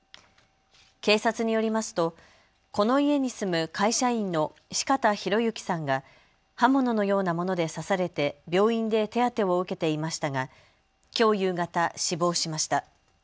警察によりますとこの家に住む会社員の四方洋行さんが刃物のようなもので刺されて病院で手当てを受けていましたがきょう夕方、死亡しました。